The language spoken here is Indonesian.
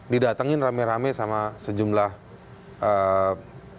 didatengin rame rame sama sejumlah ya tokoh teman sahabat